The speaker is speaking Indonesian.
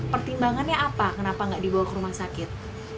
pertimbangannya apa kenapa nggak dibawa ke rumah sakit